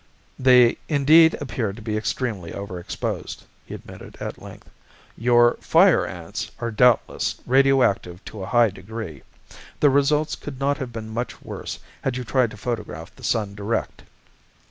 "They indeed appear to be extremely over exposed," he admitted at length. "Your Fire Ants are doubtless radio active to a high degree. The results could not have been much worse had you tried to photograph the sun direct."